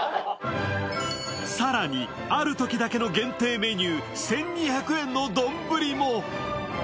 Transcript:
更に、あるときだけの限定メニュー、１２００円の丼も。